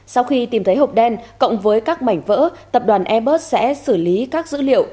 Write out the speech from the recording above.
sau khi tìm thấy hộp đen cộng với các mảnh vỡ tập đoàn airbus sẽ xử lý các dữ liệu